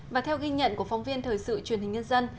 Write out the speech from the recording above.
và theo ghi nhận của phóng viên thời sự truyền hình nhân dân